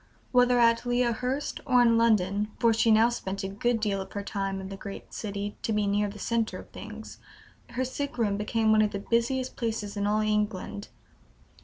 Whether at Lea Hurst or in London (for she now spent a good deal of time in the great city, to be near the centre of things), her sick room became one of the busiest places in all England.